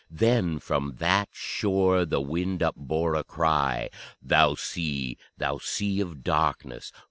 Then from that shore the wind upbore a cry: _Thou Sea, thou Sea of Darkness!